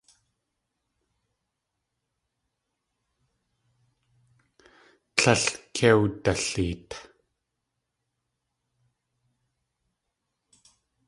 Tlél kei wdaleet.